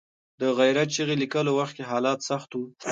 د غیرت چغې لیکلو وخت کې حالات سخت وو.